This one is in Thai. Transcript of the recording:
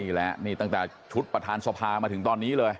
นี่แหละนี่ตั้งแต่ชุดประธานสภามาถึงตอนนี้เลย